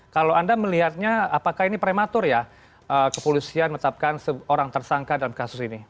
kalau anda melihatnya apakah ini prematur ya kepolisian menetapkan seorang tersangka dalam kasus ini